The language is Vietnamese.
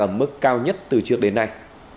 ở mức cao nhất từ trước đến nay